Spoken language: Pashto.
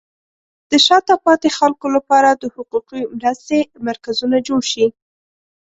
د شاته پاتې خلکو لپاره د حقوقي مرستې مرکزونه جوړ شي.